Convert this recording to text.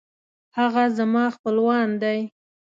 هغه زما خپلوان دی